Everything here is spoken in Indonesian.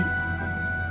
kamu udah urusin dia